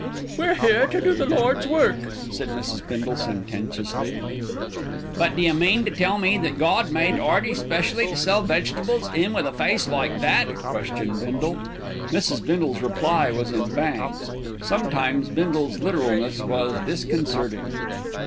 "We're here to do the Lord's work," said Mrs. Bindle sententiously "But d'you mean to tell me that Gawd made 'Earty specially to sell vegetables, 'im with a face like that?" questioned Bindle. Mrs. Bindle's reply was in bangs. Sometimes Bindle's literalness was disconcerting.